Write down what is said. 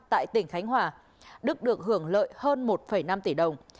tại tỉnh khánh hòa đức được hưởng lợi hơn một năm tỷ đồng